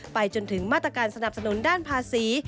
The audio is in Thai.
จนถึงมาตรการสนับสนุนด้านภาษี